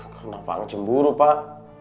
karena pak ang cemburu pak